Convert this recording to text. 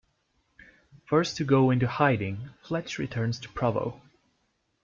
Forced to go into hiding, Fletch returns to Provo.